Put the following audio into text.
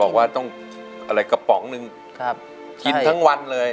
บอกว่าต้องอะไรกระป๋องนึงกินทั้งวันเลย